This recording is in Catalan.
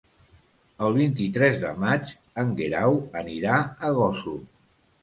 El vint-i-tres de maig en Guerau anirà a Gósol.